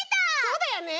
そうだよね！